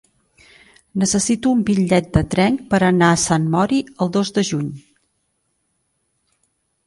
Necessito un bitllet de tren per anar a Sant Mori el dos de juny.